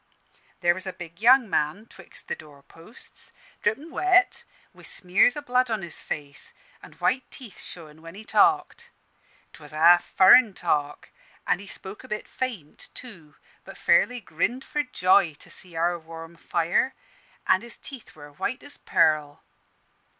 "There was a big young man 'twixt the doorposts, drippin' wet, wi' smears o' blood on his face, an' white teeth showin' when he talked. 'Twas a half furrin talk, an' he spoke a bit faint too, but fairly grinned for joy to see our warm fire, an' his teeth were white as pearl.